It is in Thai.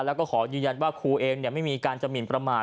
แล้วก็ขอยืนยันว่าครูเองไม่มีการจะหมินประมาท